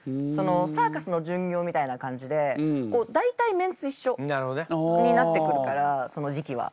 サーカスの巡業みたいな感じで大体メンツ一緒になってくるからその時期は。